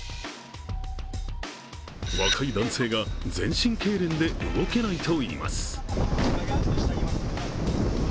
若い男性が全身けいれんで動けないといいます